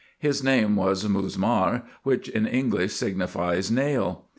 His name was Musmar, which in English signifies nail.